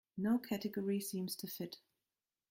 No category seems to fit.